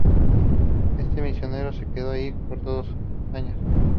Este misionero se quedó allí por dos años.